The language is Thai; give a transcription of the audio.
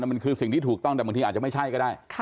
มันคือสิ่งที่ถูกต้องแต่บางทีอาจจะไม่ใช่ก็ได้